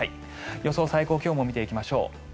予想最高気温も見ていきましょう。